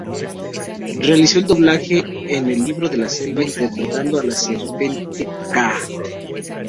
Realizó el doblaje en "El libro de la selva" interpretando a la serpiente Kaa.